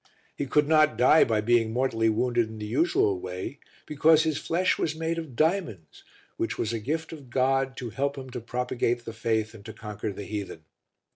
He could not die by being mortally wounded in the usual way, because his flesh was made of diamonds, which was a gift of God to help him to propagate the faith and to conquer the heathen.